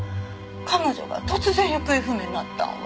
彼女が突然行方不明になったんは。